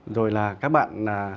rồi là các bạn